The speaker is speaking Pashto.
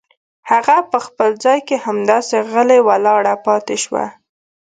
هغه په خپل ځای کې همداسې غلې ولاړه پاتې شوه.